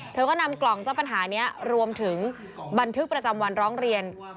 เธอก็นำกล่องเจ้าปัญหานี้รวมถึงบันทึกประจำวันร้องเรียน